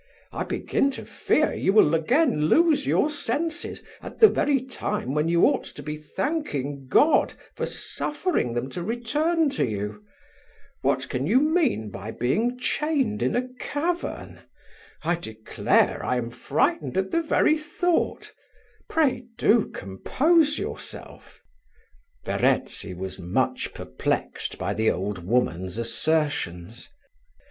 I begin to fear you will again lose your senses, at the very time when you ought to be thanking God for suffering them to return to you. What can you mean by being chained in a cavern? I declare I am frightened at the very thought: pray do compose yourself." Verezzi was much perplexed by the old woman's assertions.